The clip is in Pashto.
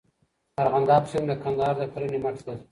د ارغنداب سیند د کندهار د کرنې مټ دی.